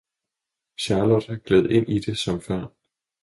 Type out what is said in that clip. Charlot gled ind i det som før.